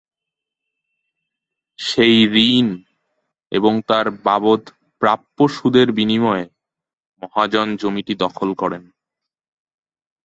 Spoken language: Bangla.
সেই ঋণ এবং তার বাবদ প্রাপ্য সুদের বিনিময়ে মহাজন জমিটি দখল করেন।